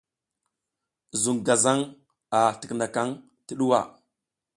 Zuŋ gazaŋ a tikinakaŋ ti ɗuwa.